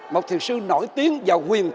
một thiền sư nổi tiếng và huyền thịnh